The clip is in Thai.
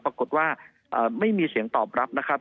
ปรากฏว่าไม่มีเสียงตอบรับนะครับ